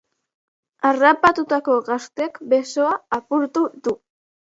Harrapatutako gazteak besoa apurtu du.